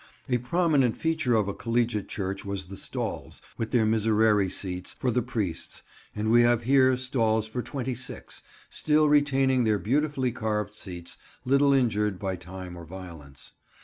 A prominent feature of a collegiate church was the stalls, with their miserere seats, for the priests, and we have here stalls for twenty six, still retaining their beautifully carved seats, little injured by time or violence.